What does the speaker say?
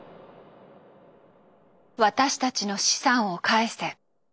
「私たちの資産を返せ」。